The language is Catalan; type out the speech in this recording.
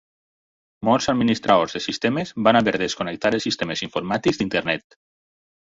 Molts administradors de sistemes van haver de desconnectar els sistemes informàtics d'Internet.